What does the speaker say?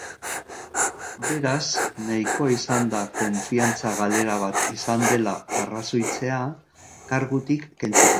Beraz, nahikoa izan da konfiantza galera bat izan dela arrazoitzea kargutik kentzeko.